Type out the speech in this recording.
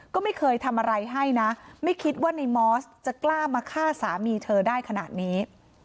ก็ไม่เคยทำอะไรให้นะไม่คิดว่าในมอสจะกล้ามาฆ่าสามีเธอได้ขนาดนี้